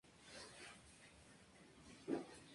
Habita en Costa Rica y Ecuador.